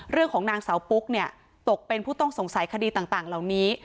เรื่องของนางสาวปุ๊กเนี่ยตกเป็นผู้ต้องสงสัยคดีต่างเหล่านี้